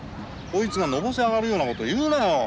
こいつがのぼせ上がるようなこと言うなよ。